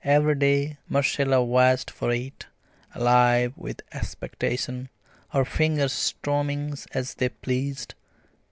Every day Marcella watched for it, alive with expectation, her fingers strumming as they pleased.